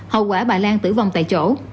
hậu quả bà lan tử vong tại chỗ